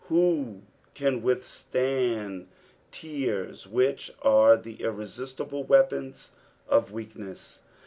Who can withstand tears, which are tlie irresistible weapons of weakness